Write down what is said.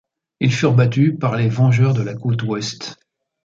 Ils furent battus par les Vengeurs de la Côte Ouest.